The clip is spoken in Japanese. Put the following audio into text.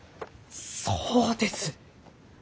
そうです！